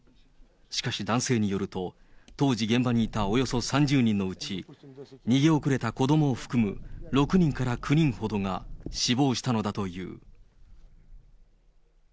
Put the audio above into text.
しかし、男性によると、当時現場にいたおよそ３０人のうち、逃げ遅れた子どもを含む６人から９人ほどが死亡したのだという。